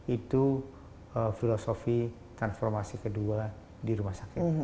itu filosofi transformasi kedua di rumah sakit